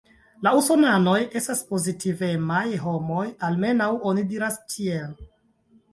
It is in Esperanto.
La Usonanoj estas pozitivemaj homoj, almenaŭ oni diras tiel.